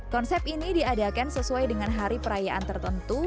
konsep ini diadakan sesuai dengan hari perayaan tertentu